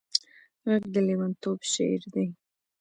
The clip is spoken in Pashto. غږ د لېونتوب شعر دی